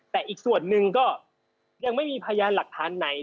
แต่อีกส่วนหนึ่งก็ยังไม่มีพยานหลักฐานไหน